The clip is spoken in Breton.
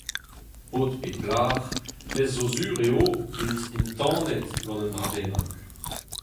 Paotr pe plac'h, pezh zo sur eo int entanet gant un dra bennak.